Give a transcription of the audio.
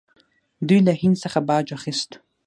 دوی له هند څخه باج اخیست